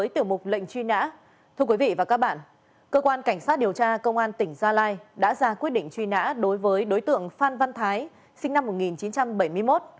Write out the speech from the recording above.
thưa quý vị và các bạn cơ quan cảnh sát điều tra công an tỉnh gia lai đã ra quyết định truy nã đối với đối tượng phan văn thái sinh năm một nghìn chín trăm bảy mươi một